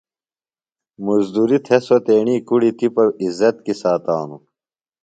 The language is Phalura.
مُزدُری تھےۡ سوۡ تیݨی کُڑیۡ تپِہ عزت کی ساتانوۡ۔